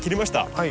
はい。